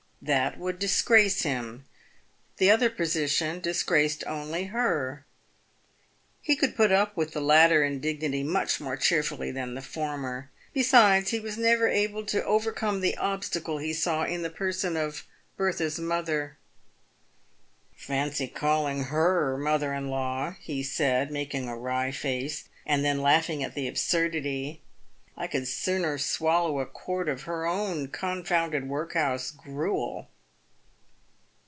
That would disgrace him ; the other position disgraced only her. He could put up with the latter indignity much more cheerfully than the former. Besides, he was never able to overcome the obstacle he saw in the person of Bertha's mother. * Fancy calling her mother in law," he said, making a. wry face, and then laughing at the absurdity. " I could sooner swallow a quart of her own confounded workhouse gruel."